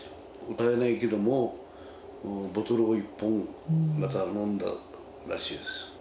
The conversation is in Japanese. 歌えないけども、ボトルを１本、また飲んだらしいです。